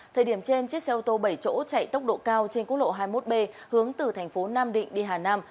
thời điểm trên chiếc xe ô tô bảy chỗ chạy tốc độ cao trên quốc lộ hai mươi một b hướng từ thành phố nam định đi hà nam